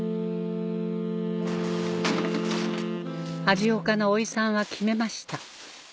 味岡のおいさんは決めました